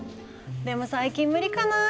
でも最近無理かなあ。